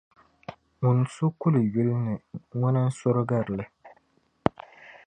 Ŋun su kuli yuli ni, ŋuna n-surigiri li.